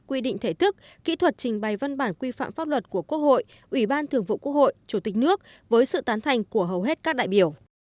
quy định thể thức kỹ thuật trình bày văn bản quy phạm pháp luật của quốc hội ủy ban thường vụ quốc hội chủ tịch nước với sự tán thành của hầu hết các đại biểu